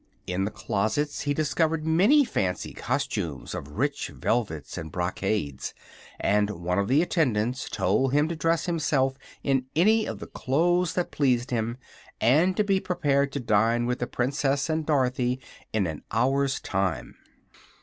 In the closets he discovered many fancy costumes of rich velvets and brocades, and one of the attendants told him to dress himself in any of the clothes that pleased him and to be prepared to dine with the Princess and Dorothy in an hour's time.